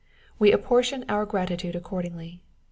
We apportion our gratitude accordingly.